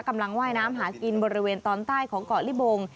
ว่ายน้ำหากินบริเวณตอนใต้ของเกาะลิบง